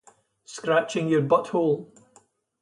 Scratching your butthole?